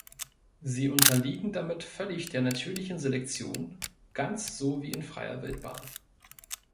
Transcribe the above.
Sie unterliegen damit völlig der natürlichen Selektion, ganz so wie in freier Wildbahn.